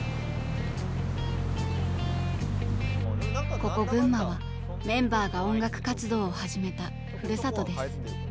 ここ群馬はメンバーが音楽活動を始めたふるさとです。